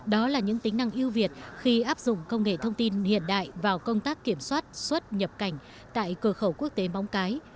đó là những tính năng ưu việt khi áp dụng công nghệ thông tin hiện đại vào công tác kiểm soát xuất nhập cảnh tại cửa khẩu quốc tế bóng cái